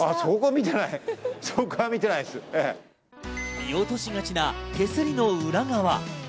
見落としがちな手すりの裏側。